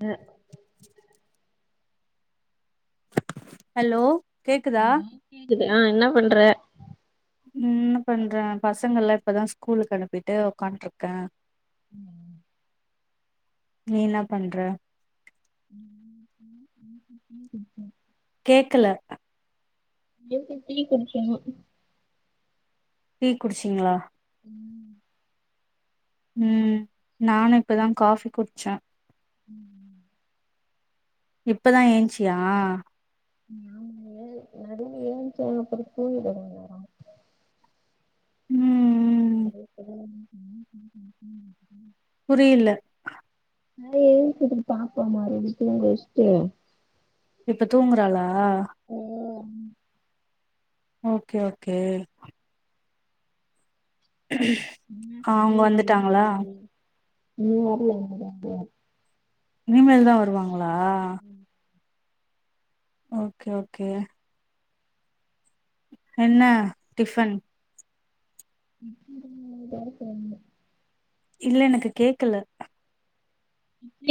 அ hello கேக்குதா hello கேக்குது அ என்ன பண்ற என்ன பண்ற பசங்கள்ல இப்பதா ஸ்கூலுக்கு அனுப்பிட்டு உக்காண்ட்ருக்க நீ என்ன பண்ற உம்ஹும்உம் சிஸ்டர் கேக்கல என்ச்சி டீ குடிச்சிர்னு டீ குடிச்சிங்ளா உம் ம் நானு இப்பதா காஃபி குடிச்ச இப்பதா ஏன்ச்சியா போன அப்பறோ தூங்கிட்ட வேர ம் ம் [unintelligible] [unintelligible] புரியில நா என்ச்சிட்டு பாப்பமாறு என்ன தூங்க வச்சிட்டு இப்ப தூங்குறாளா ஓகே ஓகே உம் என்ன சமையல் [unintelligible] நீ வர்ல இங்க பாத்தியா இனிமேல் தா வருவாங்களா ஓகே ஓகே என்ன டிஃபன் [inaudible] இல்ல எனக்கு கேக்கல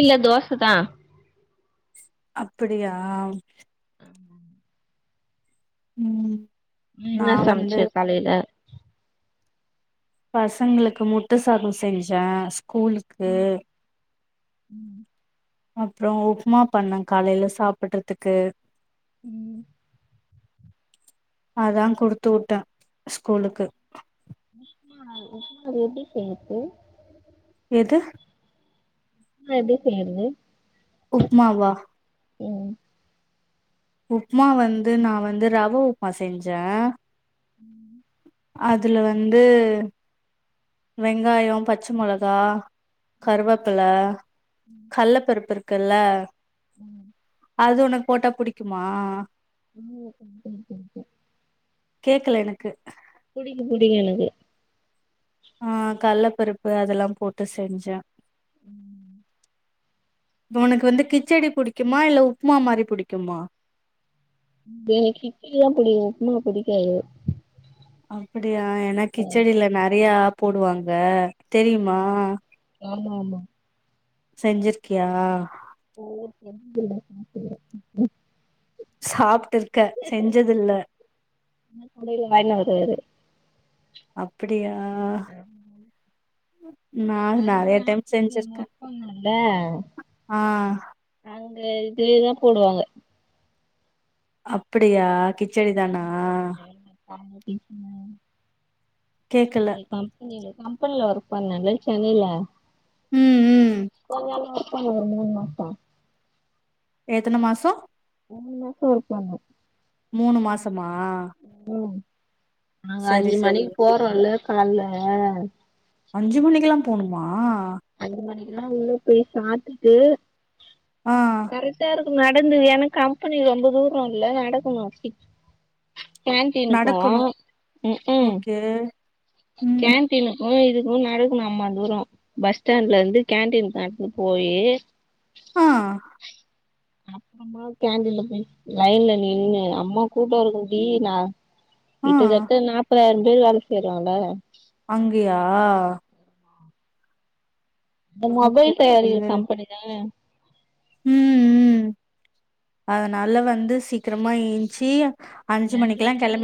இல்ல தோசதா அப்புடியா [inaudible] ம் நீ நா என்ன வந்து சமைச்ச காலேல பசங்களுக்கு முட்ட சாத செஞ்ச ஸ்கூலுக்கு ம் [inaudible] அப்றோ உப்புமா பண்ண காலேல சாப்பட்றதுக்கு ம் அதா குடுத்துவுட்ட ஸ்கூலுக்கு [unintelligible] அது எப்டி செய்யர்த்து எது உப்புமா எப்டி செய்யறது உப்மாவா ம் உப்மா வந்து நா வந்து ரவா உப்மா செஞ்சே ம் அதுல வந்து வெங்காயொ பச்ச மொளகா கருவப்பில கட்லப்பருப்பு இருக் க்குல்ல ம் அது ஒனக்கு போட்டா புடிக்குமா ம் [unintelligible] கேக்கல எனக்கு புடிக்கு புடிக்கு எனக்கு அ கட்லப்பருப்பு அதெல்லா போட்டு செஞ்சே ம் இப்ப ஒனக்கு வந்து கிச்சடி புடிக்குமா இல்ல உப்மா மாரி புடிக்குமா எனக்கு கிச்சடி தா புடிக்கு உப்மா புடிக்காது அப்புடியா ஏன்னா கிச்சடில நெறயா போடுவாங்க தெரியுமா ஆமா ஆமா செஞ்சுருக்கியா அவ்ளவா செஞ்சதுல்ல [inaudible] சாப்ட்டு இருக்க செஞ்சது இல்ல அ குடையில வாங்கினு வருவாரு அப்புடியா நான் அது நெறைய மாரி டைம் ஆபீஸ்ல நம்ம செஞ்சுருக்கே ஒர்க் பண்ணோல்ல ஆ அங்க இதுவே தா போடுவாங்க அப்புடியா கிச்சடி தானா ஆமா [unintelligible] கேக்கல கம்பெனில கம்பெனில ஒர்க் பண்ணேல சென்னைல ம் ம் அமா ஒரு ரெண்டு மூனு மாசொ எத்தன மாசொ [inaudible] மாசொ ஒர்க் பண்ணே மூனு மாசமா ம் நாங்க சரி அஞ்சு சரி மணிக்கு போறோல்ல கால்ல அஞ்சு மணிக்குல்லா போணுமா அஞ்சு மணிக்குலா உள்ள போய் சாப்டுட்டு ஆ கரெக்டா இருக்கு நடந்து ஏன்னா கம்பெனி ரொம்ப தூரல்ல நடக்கணு கேண்டீனுக் போவோ நடக்கணு ம் க்கு [unintelligible] ம் கேண் டீனுக்கு இதுக்கு நடக்கணு அம்மாந் தூரொ பஸ் ஸ்டாண்ட்ல இருந்து கேண்டீன்க் நடந்து போயி ஆ அப்றமா கேண்டின்ல போயி லைன்ல நின்னு அம்மா கூட்டு வறதுக்குடி நா ஆ கிட்டத்தட்ட நாற்பாதாயிரோ பேர் வேல செய்யுங்ளா அங்கையா இந்த ஓகே மொபைல் ஓகே தயாரிக்கிற கம்பெனி தானே ம் ம் அதனால வந்து சீக்கிரமா ஏஞ்சு ரெண்டு மணில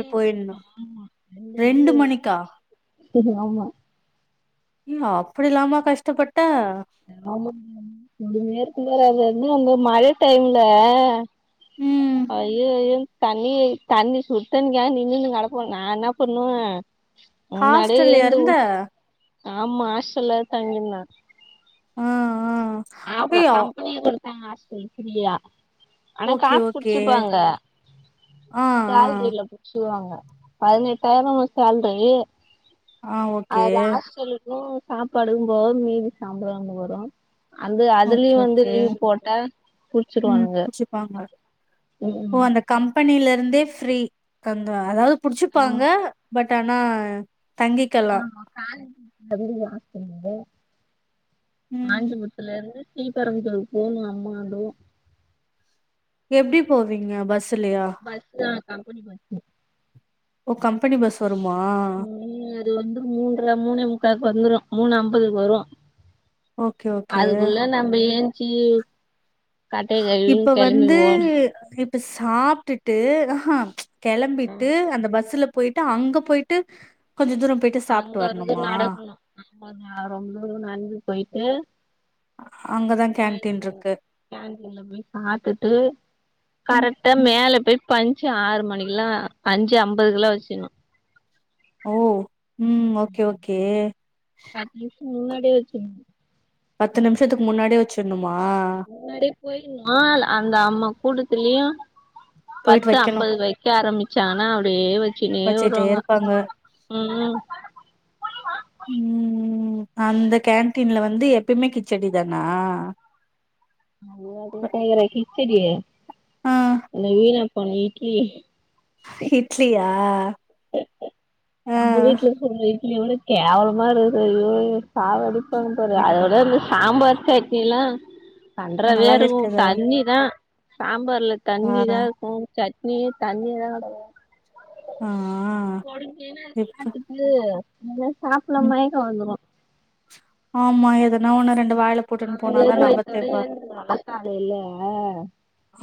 ஆமா ரெண்டு மணில இருக்கு செரி ஆமா ம் அப்டிலாமா கஷ்டப்பட்ட ஆமா நேருக்கு நேராவே இன்னியு அந்த மழ டைம்ல ம் ஐயோ ஐயோ தண்ணிய தண்ணி சுத் தண்ணிக்கா நின்ணுனு கெடப்போ நா என்ன பண்ணுவே முன்னாடியே ஹாஸ்டல்ல எழுது இருந்த ஆமா ஹாஸ்டல்லதா தங்கி இருந்த ஆ ஆ ஆ அப்டியா கம்பெனியே குடுப்பாங்க ஹஸ்டல் ஃப்ரீயா ஆனா ஓகே காசு ஓகே புட்சிப்பாங்க ஆ ஆ சேலரில புடுச்சிடுவாங்க பதினெட்டாயிரோ சேல்ரி ஆ ஓகே அதுல ஹாஸ்டலுக்கு சாப்பாடுக்கு போக மீதி சம்பளோ வரு அந்த அதுலயு ஓகே வந்து ஓகே லீவ் போட்டா புடிச்சிடுவானுங்க வாங்க ஓ அந்த கம்பெனில இருந்தே ஃபிரி தந்துருவாங்க அதாது புடிச்சிப்பாங்க ஆமா பட் ஆனா தங்கை ஆமா காஞ் அந்த பில்டிங்கிலேயே ஹாஸ்டலுக்கு இருக்குது ம் காஞ்சிபுர அதுல இருந்து ஸ்ரீ பெருமந்தூர் போணு அம்மாதூரோ எப்டி போவீங்க பஸ்லையா பஸ் தா கம்பெனி பஸ்சு ஓ கம்பெனி பஸ் வருமா ம் அது வந்து மூன்ற மூணே முக்காவுக்கு வந்துரு மூணு ஐம்பதுக்கு வரு ஓகே ஓகே அதுக்குள்ள நம்ம ஏஞ்சி கட்டைய இப்ப கழுவின்னு கெளம்பி வந்து ஓடனு இப் சாப்டுட்டு ஆ ஹா கெளம்பிட்டு அந்த பஸ்ல போயிட்டு அங்க போயிட்டு கொஞ்ச தூர போயிட்டு சாப்டு வரணுமா ஆமா நா ரொம்ப தூரோ நடந்து போயிட்டு அங்கதா கேன்டீன் சாப்டுவே இருக்கு கேண்டின்ல போயி சாப்டுட்டு ம். கரெக்டா ம். மேலே போயி பஞ்சி ஆறு மணிக்கெல்லா அஞ்சு ஐம்பதுக்கெல்லா வெச்சிட்ணு ஓ ம் ஓகே ஓகே பத்து நிமிஷோ முன்னாடியே வெச்சிட்னு பத்து நிமிஷத்துக்கு முன்னாடியே வெச்சிட்ணுமா முன்னாடியே போயிட்னு அந்த அம்மா கூட்டத்துலயு போயிட்டு பத்து வைக்கணு ஐம்பதுக்கு வெக்க ஆரம்பிச்சாங்னா அப்டியே வெச்சினே வச்சுட்டே வருவாங்க இருப்பாங்க ம் ம் ம் ம் அந்த கேன்டீன்ல வந்து எப்பயுமே கிச்சடி தானா ஐயோ அது ஏயே கேக்குற கிச்சடி ஆ இந்த விணா போன இட்லி இட்லியா ஆ நம்ம வீட்ல சுட்ற இட்லியோட கேவலமா இருக்குது ஐயோ சாவடிப் குடுப்பாங்கு பாரு ஐயோ! அதோட அந்து சாம்பார் சட்னி எல்லா கண்றாவியா நல்லாவே இருக்கு இருக்காதா தண்ணி நா சாம்பார்ல தண்ணி காரோ தா இருக்கு சட்னில தண்ணி தா இருக்கு ஆ ஆ கொடுக்கைல சாப்ட்டுட்டு சாப்பல்ல ம் மயக்கொ வந்துரு ஆமா எதனா ஒன்னு ரெண்டு வாய்ல ஆ வெறும் வய்த்தோடு எழுந்துருவ காலேல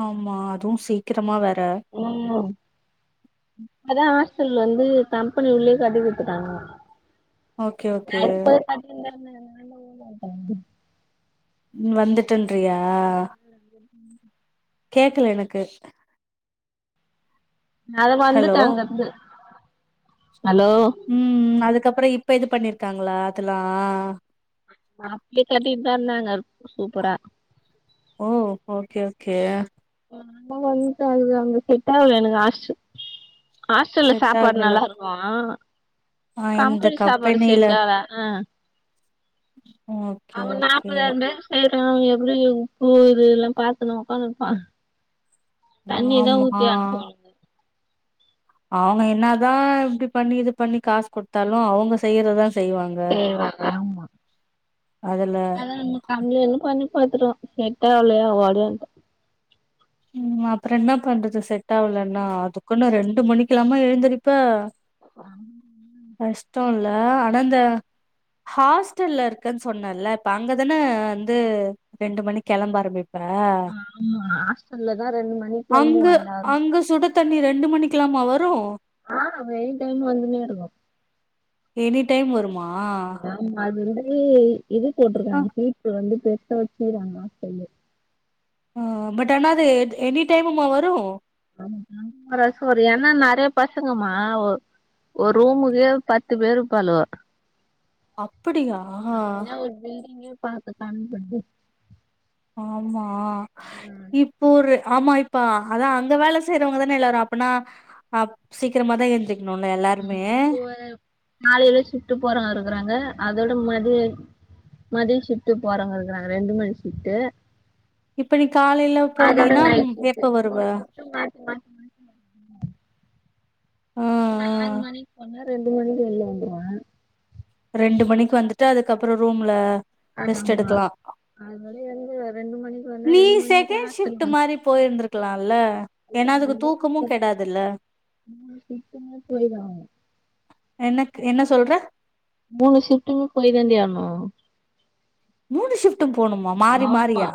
ஆமா அது சீக்கரமா வேற ஆமா அதா ஹாஸ்டல்ல வந்து கம்பனி உள்ளயே கட்டி குடுத்துட்டாங்க ஓகே ஓகே நடுத்தர கட்டிருந்தாங்க [unintelligible] ம் வந்துட்டன்றயா கேக்கல எனக்கு அத ஹலோ வந்துட்டே அங்க இருந்து ஹலோ ம் அதுக்கப்பறோ இப்ப இது பண்ணிருக்காங்களா அதெல்லா அப்பிடி கட்டிட்டு தா இருந்தாங்க சூப்பரா ஓ ஓகே ஓகே நம்ம வந்துட்ட அங்க இருந்து அந்த செட் ஆகல எனக்கு ஹாஸ் ஹாஸ்டல்ல செட் சாப்பாடு ஆகல நல்லா இருக்கும் வா ஆ இந்த கம்பனி சாப்பாடு கம்பெனில செட் ஆல அ ஓகே அவன் ஓகே நாற்பதா இருந்து ச ந எப்பிடி உப்பு இது இது எல்லா பாத்தனு இருப்பா தண்ணி தா ஆமா ஊத்தி அனுப்பனு அவங்க என்னதா இப்பிடி பண்ணி இது பண்ணி காசு குடுத்தாலு அவங்க செய்யறதா செய்வாங்க ஏ வாக அதுல ம்ம கம்லன்னு பண்ணி பாத்துட்டோ செட்டா ஆவலையா ஓடியாந்துட்டே ம் அப்பறோ என்ன பண்றது செட் ஆவலன்னா அதுக்குன்னு ரெண்டு மணிக்கெல்லாம எழுந்திரிப்ப கஷ்டோ இல்ல ஆனா இந்த ஹாஸ்டல்ல இருக்கென்னு சொன்னேல இப்ப அங்கதான வந்து ரெண்டு மணிக் கெளம்ப ஆரம்பிப் ம் ஆமா ஹாஸ்டல்ல தா ரெண்டு மணிக்கு அங்க கெளம்புவோ எல்லாரு அங்க சுடு தண்ணி ரெண்டு மணிக்கெலாமா வரு ஆ மெய்ன் டைம்ல வந்துன்னே இருக்கு எனி டைம் வருமா ஆமா அது வந்து இ இ இ இ இது போட்டு அ இருக்குறாங்க ஹீட்டரு வந்து பெருசா வெச்சுறாங்க சொல்லு ம் பட் ஆனா அது எனி டைமுமா வரு ச எனா நறையா பசங்கமா ஒ ஒரு ரூமுகே பத்து பேரு இருப்பாலுவோ அப்புடியா அப்பிடின்னா ஒரு பில்டிங்கே பாத்து கணக் பண்ணிக்கோ ஆமா இப் போ ஒரு ஆமா இப்ப அதா அந்த வேல செய்றவங்கதான எல்லாரு அப்பனா அப் சீக்கரமாதா எந்திர்க்கணுல எல்லாருமே காலேல ஷிஃப்ட்டு போறாங்க இருக்கறாங்க அதோட மதிய மதிய ஷிஃப்ட்டு போறவங்க இருக்கறாங்க ரெண்டு மணி ஷிஃப்ட்டு இப்ப நீ காலேல போனீய்னா எப்ப வருவ மத் மத் ஆ இப்பெல்லா ஆ ஆறு மணிக்கு போனா ரெண்டு மணிக்கு வெளில வந்துருவ ரெண்டு மணிக்கு வந்துட்டு அதுக்கப்றோ ரூம்ல ரெஸ்ட் எடுக்லா அதனாலே வந்து ரெண்டு மணிக்கு வந்தா ரெண்டு மணிக்குதா [unintelligible] ட்டு மாரி போய்ருந்துருக்கலால்ல ஏன்னா அதுக்கு தூக்கமு கெடாதுல்ல மூனு ஷிப்ட்டுமே போய்ரு எனக்கு என்ன சொல்ற மூணு ஷிப்டுமே போய் தாண்டி ஆகணு மூணு ஷிப்ட்டும் போணுமா மாறி ஆமா மாறியா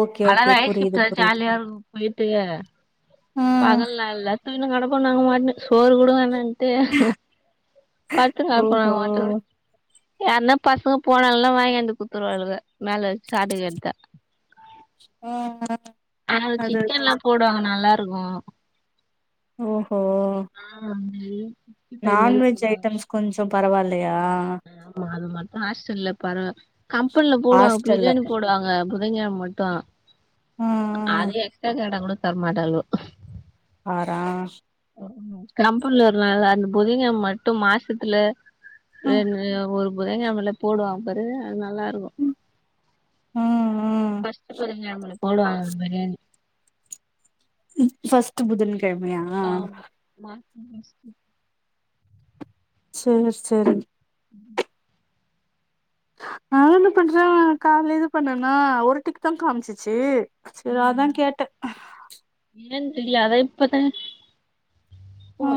ஓகே ஓகே [unintelligible] புரியுது ஷிப்ட்டு புரியுது ஜாலியா இருக்கு போய்ட்டு ஆ பகல்லல்ல சீனு நடப்போ நாங்க ஒன்னு சோறு கூட வேனாட் ட்டு படுத்துங்க அப்பா ஓஹோ [unintelligible] யார்னா பசங்க போனாங்கல்ல வாங்கியாந்து குத்துருவாளுக மேல வெச்சி ஆட்டு கரி எத்தா ம் ம் ஆனாலு சிக்கன்லா போடுவாங்க நல்லாருக்கு ஓஹோ ஆ அஞ்சு நான்வெஜ் ஐட்டம்ஸ் கொஞ்சோ பரவால்லயா ஆமா அது மட்டு ஹாஸ்டல்ல பரவா கம்பெனில்ல போடுவாங்க ஹாஸ்டல்ல பிரியாணி போடுவாங்க பிள்ளைங்க மட்டு ஆ ஆ அது எக்ஸ்ட்ரா கேட்டா கூட தரமாட்டாலுவ ஆறா கம்பெனில ஒரு நாள் அந்த புதிங்க மட்டு மாசத்துல ம் என்க்கு ஒரு புதன்கெழமல போடுவாங்க பாரு அது நல்லாருக்கு ம் ம் ஃபஸ்ட் புதன்கிழமல போடுவாங்க பிரியாணி ம் ஃபஸ்ட் புதன் கெழமையா ஆமா மாசம் ஃபர்ஸ்ட்டு சோ [unintelligible] ம் நா என்ன பண்ற காலைல பண்ணேன்னா ஒருதிக்குதா காம்சிச்சு சேரி அதா கேட்ட ஏன் தெரியாது இப்பத்தா ஆ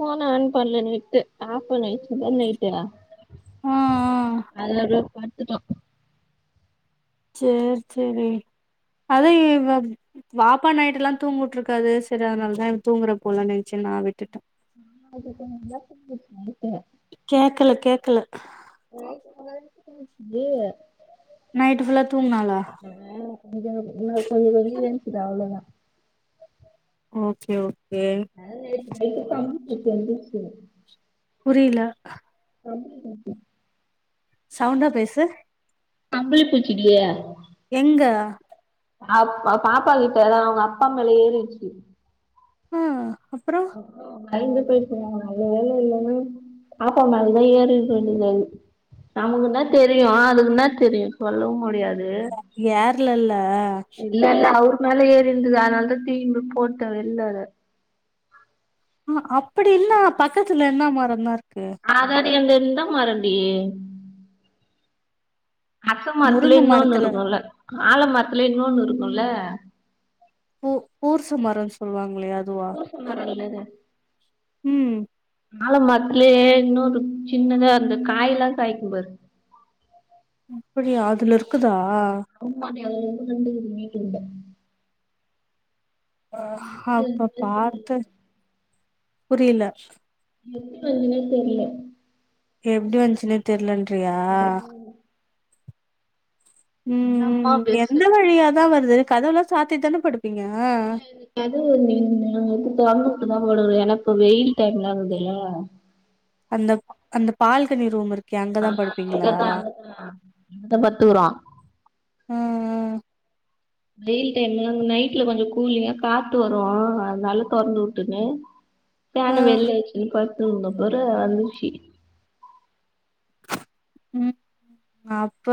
போன் ஆன் பண்ல நெட்டு ஆப் பண்ணி வெச்சதா நைட்டு ஆ ஆ அதெல்லா பத்துட்டோ சேரி சேரி அது [unintelligible] பாப்பா நைட்டு எல்லாம் தூங்வுட்ருக்காது சேரி அதனாலதா தூங்கற போல நென்ச்சு நா விட்டுட்ட ஆ நான் [inaudible] படுத்த கேக்கல கேக்கல [inaudible] அது நைட் ஃபுல்லா தூங்குனாளா [unintelligible] எந்துருச்சுடா அவ்ளோதா ஓகே ஓகே ஆ நேத்து நைட்டு கம்பு செஞ்சிச்சு புரில அம்புலி செஞ்ச சவுண்டா பேசு கம்பளி பூச்சடியா எங்க அ பாப்பா கிட்டதா அவங்க அப்பா மேல ஏறிச்சு ம் அப்பறம் ஐந்து போயி இருந்தாங்கங்க நல்ல வேல இல்லன்னா பாப்பா மேலதா ஏறி இருந்தது நமக்குன்னா தெரியும் அதுக்குன்ன தெரியும் சொல்லவும் முடியாது ஏர் இல்லல இல்ல இல்ல அவர் மேல ஏறி இருந்து அதனால தா தூக்கி போட்ட வெளில ஆ அப்படின்னா பக்கத்துல என்ன மரம்தான் இருக்கு அதாவாது இந்த மரம் டி அரச முருங்க மரத்துலய இன்னொன்னு மரத்துல இருக்குல்ல ஆல மரத்துல இன்னொன்னு இருக்குல்ல பூ பூசு மரன்னு சொல்லுவாங்களையா அதுவா மரம் இல்லங்க ம் ஆல மரத்துலே இன்னோரு சின்னதா இந்த காய்லா காய்க்கும்பாரு அப்படியா அதுலருக்குதா ஆமான்டி அதுலஒன்னு ரெண்டு [inaudible] அ அப்ப பாத்து புரில எப்டி வஞ்சினே தெர்ல எப்டி வஞ்ச்சுனே தெர்லன்றியா ம் நல்லா அம்மா ம் பெருசு எந்த வழியாதா வருது கதவலா சாத்திதான படுப் இல்ல கதவு மெய்ன் தொறந்து போட்டு தா படுக்கறது எனா இப்ப வெயில் டைம்லாருக்குதுல்ல அந்தப் அந்த பால்கனி ரூம்ருக் அங்கதா ஆ படுப்பீங்களா அங்கதா அங்கதா அங்கதா பத்துக்குறோ ஆ வெயில் டைம்ல நைட்ல கொஞ்ச கூலிங்கா காத்து வரும் அதுனால தொறந்து உட்டுட்டே ஆ ஆ ஃபேன வெள்ள வச்சுகினு படுத்துந்தம்பரு வந்துச்சி ம் அப்ப